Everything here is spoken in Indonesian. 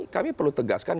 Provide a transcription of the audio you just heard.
kami perlu tegaskan